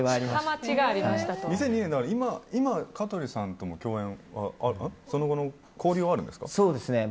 ２００２年だから今、香取さんともその後の交流はあるんですか。